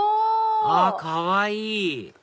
あっかわいい！